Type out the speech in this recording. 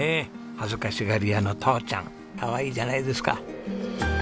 恥ずかしがり屋の父ちゃんかわいいじゃないですか。